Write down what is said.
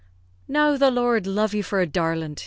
"Now the Lord love you for a darlint!"